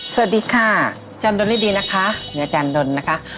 สวัสดีค่ะจันรดนรดีนะคะหนึ่งอาจารย์ดนรนะคะ